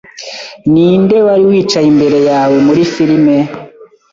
Ninde wari wicaye imbere yawe muri firime